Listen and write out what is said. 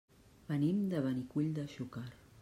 Venim de Benicull de Xúquer.